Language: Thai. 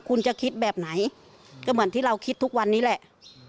คุณจะคิดแบบไหนก็เหมือนที่เราคิดทุกวันนี้แหละ